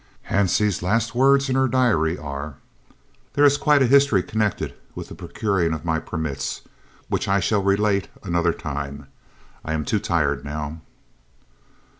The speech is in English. Hansie's last words in her diary are: "There is quite a history connected with the procuring of my permits, which I shall relate another time. _I am too tired now.